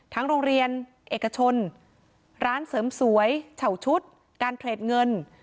โรงเรียนเอกชนร้านเสริมสวยเฉาชุดการเทรดเงิน